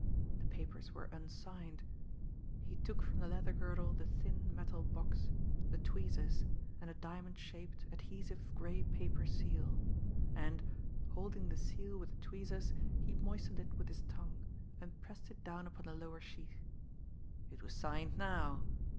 The papers were unsigned. He took from the leather girdle the thin metal box, the tweezers, and a diamond shaped, adhesive, gray paper seal and, holding the seal with the tweezers, he moistened it with his tongue, and pressed it down upon the lower sheet. It was signed now!